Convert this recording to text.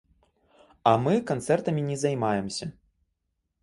А мы канцэртамі не займаемся.